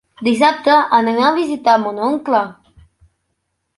Dissabte anem a visitar mon oncle.